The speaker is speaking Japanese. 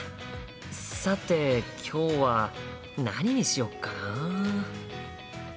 さて今日は何にしよっかな？